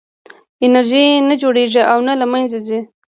انرژي نه جوړېږي او نه له منځه ځي.